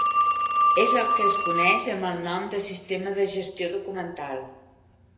És el que es coneix amb el nom de sistema de gestió documental.